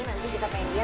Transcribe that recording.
nanti kita tanya dia